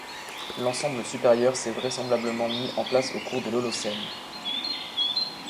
L'ensemble supérieur s'est vraisemblablement mis en place au cours de l'Holocène.